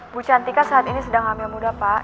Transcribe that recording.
bu cantika saat ini sedang hamil muda pak